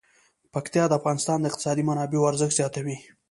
پکتیا د افغانستان د اقتصادي منابعو ارزښت زیاتوي.